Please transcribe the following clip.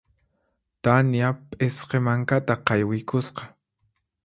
Tania p'isqi mankata qaywiykusqa.